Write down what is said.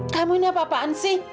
kamu ini apa apaan sih